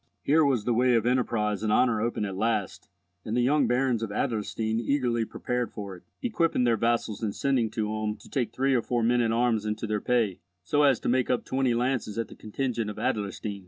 Here was the way of enterprise and honour open at last, and the young barons of Adlerstein eagerly prepared for it, equipping their vassals and sending to Ulm to take three or four men at arms into their pay, so as to make up twenty lances as the contingent of Adlerstein.